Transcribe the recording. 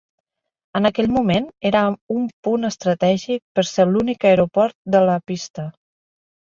En aquell moment era un punt estratègic per ser l'únic aeroport de la pista.